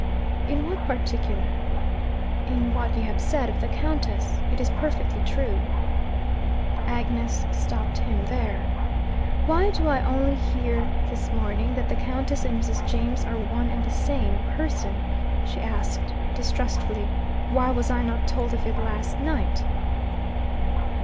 'In what particular?' 'In what you have said of the Countess. It is perfectly true ' Agnes stopped him there. 'Why do I only hear this morning that the Countess and Mrs. James are one and the same person?' she asked distrustfully. 'Why was I not told of it last night?'